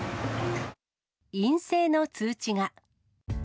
陰性の通知が。